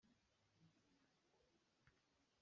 Ngaknu le tlangval an i uar.